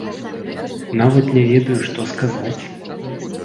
Нават не ведаю, што сказаць!